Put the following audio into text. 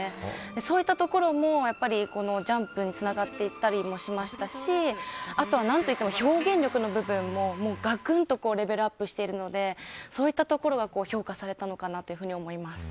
そういったところもジャンプにつながっていったりもしましたしあとは何といっても、表現力の部分もがくんとレベルアップしてるのでそういったところが評価されたのかなと思います。